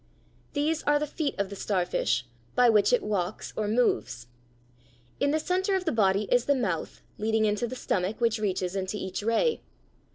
These are the feet of the starfish, by which it walks or moves. In the center of the body is the mouth leading into the stomach which reaches into each ray.